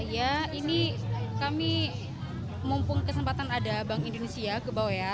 ya ini kami mumpung kesempatan ada bank indonesia ke bawah ya